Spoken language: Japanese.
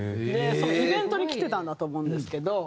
イベントに来てたんだと思うんですけど。